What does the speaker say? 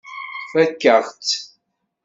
Tfakk-aɣ-tt.